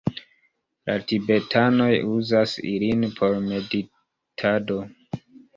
La tibetanoj uzas ilin por meditado.